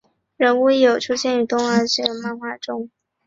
人物亦有出现于动画系列和漫画之中。